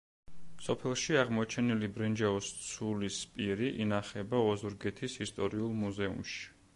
სოფელში აღმოჩენილი ბრინჯაოს ცულის პირი ინახება ოზურგეთის ისტორიულ მუზეუმში.